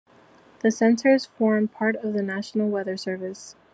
The centers form part of the National Weather Service.